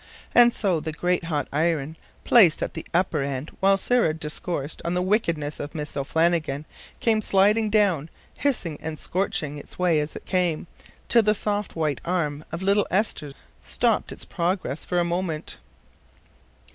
And so the great hot iron, placed at the upper end while Sarah discoursed on the wickedness of Miss O'Flannigan, came sliding slowly down, hissing and scorching its way as it came, till the soft white arm of little Esther stopped its progress for a moment.